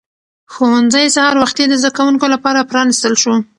ښوونځی سهار وختي د زده کوونکو لپاره پرانیستل شو